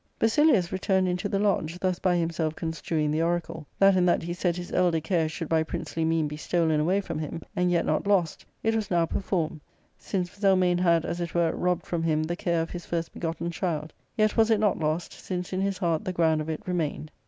Basilius returned into the lodge, thus by himself construing \ the oracle : that in that he said his elder care should by 1 princely mean be stolen away from him, and yet not lost, it o j was now performed, since Zelmane had, as it were, robbed r .^] from him the care of his first begotten child; yet was it not 1 i^ lost, since in his heart the ground of it remained.